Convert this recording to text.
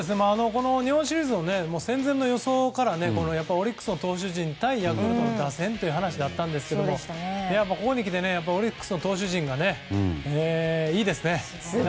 この日本シリーズは戦前の予想からオリックスの投手陣対ヤクルトの打線ということだったんですがここにきてオリックスの投手陣がいいですね。